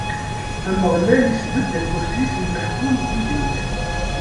Ameɣlal isbedd akersi-s n leḥkem deg yigenwan.